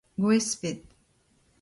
gwesped